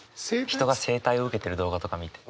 人が整体を受けてる動画とか見て。